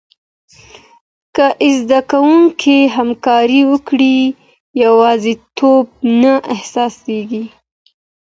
که زده کوونکي همکاري وکړي، یوازیتوب نه احساسېږي.